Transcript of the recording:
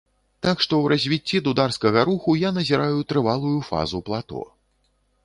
Так што ў развіцці дударскага руху я назіраю трывалую фазу плато.